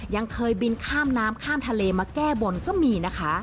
ยังเคยบินข้ามน้ำข้ามทะเลมาแก้บนก็มีนะคะ